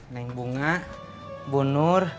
neng bunga bu nur